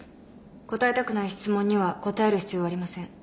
答えたくない質問には答える必要はありません。